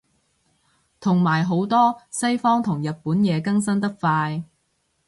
同埋好多西方同日本嘢更新得快